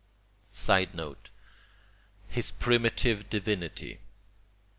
[Sidenote: His primitive divinity.